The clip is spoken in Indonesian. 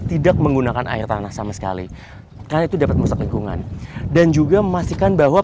tidak menggunakan air tanah sama sekali karena itu dapat merusak lingkungan dan juga memastikan bahwa